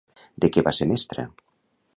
De què va ser mestra?